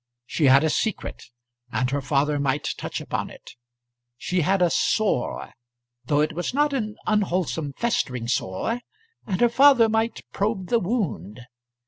She had a secret, and her father might touch upon it; she had a sore, though it was not an unwholesome festering sore, and her father might probe the wound.